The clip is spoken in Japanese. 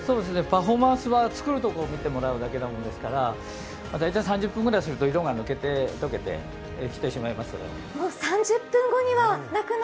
パフォーマンスは作るところを見てもらうだけなものですから、大体３０分ぐらいすると色が抜けて解けてしまいます。